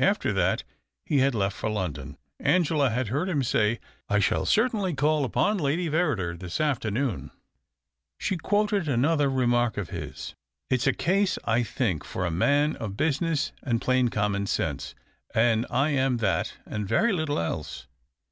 After that, he had left for London. Angela had heard him say, " I shall certainly call upon Lady Verrider this afternoon." She quoted another remark of his, " It's a case, I think, for a man of business and plain common sense, and I am that and very little else."